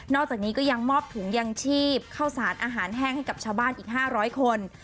อกจากนี้ก็ยังมอบถุงยังชีพเข้าสารอาหารแห้งให้กับชาวบ้านอีก๕๐๐คน